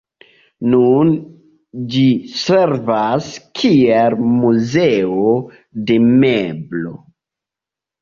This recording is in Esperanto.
Nun ĝi servas kiel muzeo de meblo.